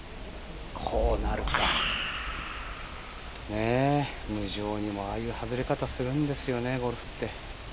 こうなるか無情にもああいう外れ方するんですよね、ゴルフって。